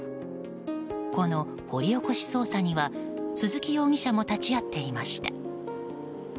この掘り起し捜査には鈴木容疑者も立ち会っていました。